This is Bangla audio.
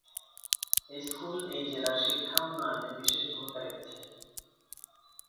এই স্কুল এই জেলার শিক্ষা উন্নয়নে বিশেষ ভূমিকা রেখেছে।